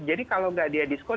jadi kalau nggak dia diskon